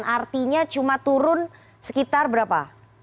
artinya cuma turun sekitar berapa